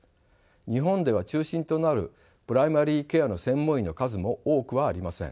日本では中心となるプライマリケアの専門医の数も多くはありません。